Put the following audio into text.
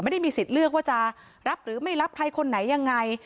ไม่ได้มีสิทธิ์เลือกว่าจะรับหรือไม่รับใครคนไหนยังไง